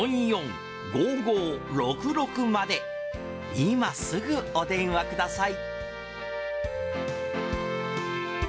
今すぐお電話ください。